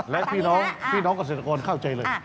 และพี่น้องเศรษฐกรเข้าใจเลย